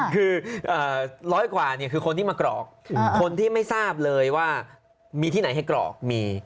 คือร้อยกว่าเนี่ยคือคนที่มากรอกคนที่ไม่ทราบเลยว่ามีที่ไหนให้กรอกมี